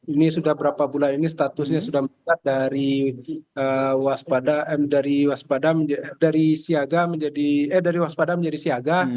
ini sudah berapa bulan ini statusnya sudah meningkat dari waspada menjadi siaga